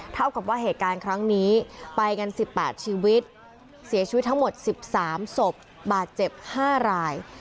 เท่ากับว่าเหตุการณ์ครั้งนี้ไปกัน๑๘ชีวิตเสียชีวิตทั้งหมด๑๓ศพบาดเจ็บ๕ราย